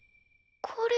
これ。